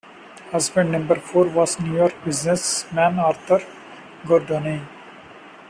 Husband number four was New York business man Arthur Gordoni.